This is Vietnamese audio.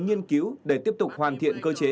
nghiên cứu để tiếp tục hoàn thiện cơ chế